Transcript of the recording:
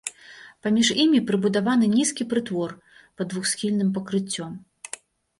Паміж імі прыбудаваны нізкі прытвор пад двухсхільным пакрыццём.